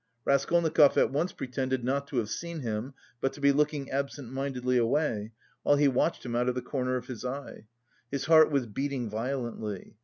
Raskolnikov at once pretended not to have seen him, but to be looking absent mindedly away, while he watched him out of the corner of his eye. His heart was beating violently.